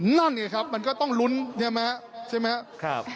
นั่นเนี่ยครับมันก็ต้องลุ้นใช่ไหม